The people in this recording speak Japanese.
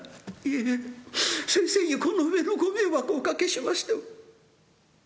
「いえ先生にはこの上のご迷惑をおかけしましては。